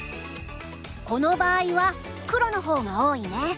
この場合は黒の方が多いね。